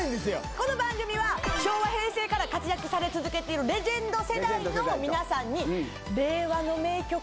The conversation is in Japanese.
この番組は昭和平成から活躍され続けているレジェンド世代の皆さんに令和の名曲を歌っていただく。